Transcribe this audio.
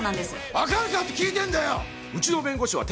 分かるかって聞いてんだよ！